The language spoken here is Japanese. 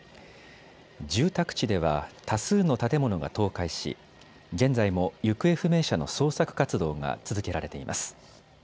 住宅地では多数の建物が倒壊し、現在も行方不明者の捜索活動が続けられています。